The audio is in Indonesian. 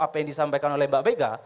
apa yang disampaikan oleh mbak beka